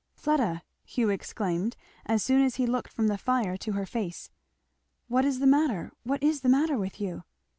"Fleda!" Hugh exclaimed as soon as he looked from the fire to her face, "what is the matter? what is the matter with you?"